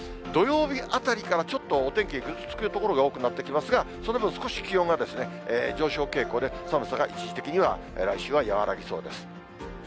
土曜日あたりからちょっとお天気、ぐずつく所が多くなってきますが、その分、少し気温が上昇傾向で、寒さが一時的には、来週は和らぎそうです。